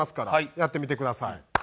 やってみてください。